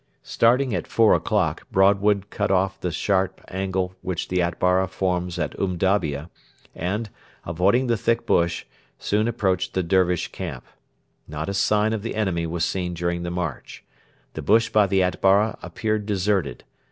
Starting at four o'clock Broadwood cut off the sharp angle which the Atbara forms at Umdabia, and, avoiding the thick bush, soon approached the Dervish camp. Not a sign of the enemy was seen during the march. The bush by the Atbara appeared deserted.